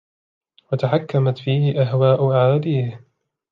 وَتَحَكَّمَتْ فِيهِ أَهْوَاءُ أَعَادِيهِ